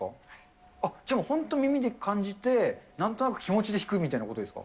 じゃあもう本当、耳で感じて、なんとなく気持ちで弾くみたいなことですか？